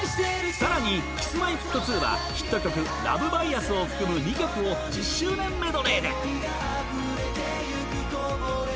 さらにＫｉｓ−Ｍｙ−Ｆｔ２はヒット曲『ＬｕｖＢｉａｓ』を含む２曲を１０周年メドレーで！